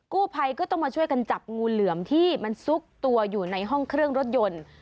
กู้ภัยก็ต้องมาช่วยกันจับงูเหลือมที่มันซุกตัวอยู่ในห้องเครื่องรถยนต์